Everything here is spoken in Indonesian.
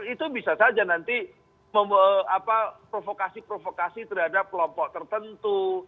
itu bisa saja nanti provokasi provokasi terhadap kelompok tertentu